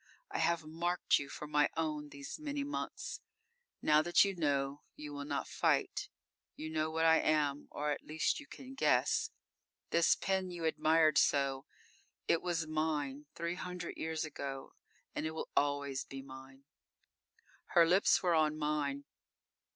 I have marked you for my own these many months. Now that you know, you will not fight. You know what I am, or at least you can guess. This pin you admired so it was mine three hundred years ago and it will always be mine!"_ _Her lips were on mine.